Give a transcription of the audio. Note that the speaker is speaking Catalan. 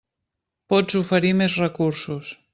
Pots oferir més recursos.